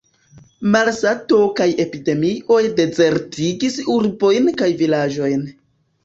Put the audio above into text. Malsato kaj epidemioj dezertigis urbojn kaj vilaĝojn.